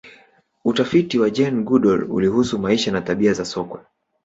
utafiti wa jane goodal ulihusu maisha na tabia za sokwe